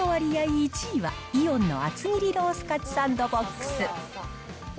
１位は、イオンの厚切りロースカツサンドＢＯＸ。